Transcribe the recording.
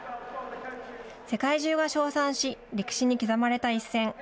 世界中が称賛し歴史に刻まれた一戦。